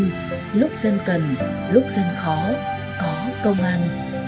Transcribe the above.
giúp dân cần lúc dân khó có công an